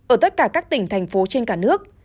ở tất cả các tỉnh thành phố trên cả nước